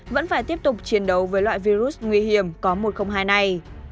vẫn phải tiếp tục chiến đấu với loại virus nguy hiểm có một trăm linh hai này